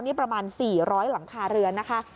นี่ประมาณ๔๐๐หลังคาเรือนนะคะ